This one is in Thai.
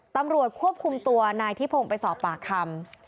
ตำรวจควบคุมตัวนายทิพงศ์ไปสอบปากคำ